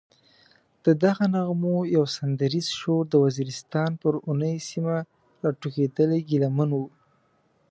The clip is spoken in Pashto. ددغو نغمو یو سندریز شور د وزیرستان پر اورنۍ سیمه راټوکېدلی ګیله من و.